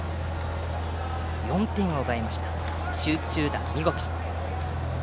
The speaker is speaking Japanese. ４点を奪いました集中打、見事。